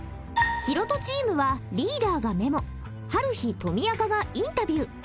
ひろとチームはリーダーがメモはるひとみあかがインタビュー。